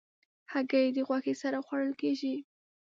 هګۍ د غوښې سره خوړل کېږي.